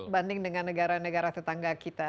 banding dengan negara negara tetangga kita